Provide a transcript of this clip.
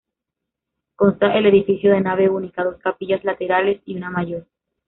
Consta el edificio de nave única, dos capillas laterales y una mayor.